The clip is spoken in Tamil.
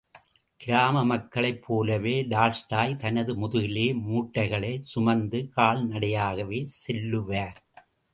கிராம மக்களைப் போலவே டால்ஸ்டாய் தனது முதுகிலே மூட்டைகளைச் சுமந்து கால்நடையாகவே செல்லுவார்.